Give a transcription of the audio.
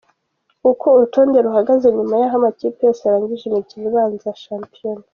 Uko urutonde ruhagaze nyuma yaho amakipe yose arangije imikino ibanza ya shampiyona.